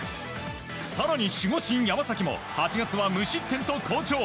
更に守護神・山崎も８月は無失点と好調。